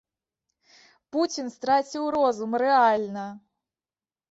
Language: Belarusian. Пуцін страціў розум рэальна!